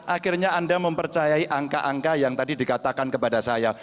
akhirnya anda mempercayai angka angka yang tadi dikatakan kepada saya